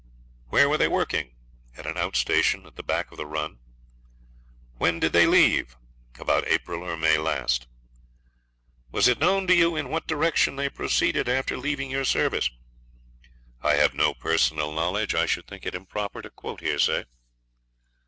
'Where were they working?' 'At an out station at the back of the run.' 'When did they leave?' 'About April or May last.' 'Was it known to you in what direction they proceeded after leaving your service?' 'I have no personal knowledge; I should think it improper to quote hearsay.'